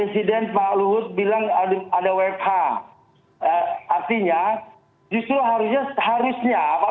sebelum saya jawab mas alby tadi pak otmar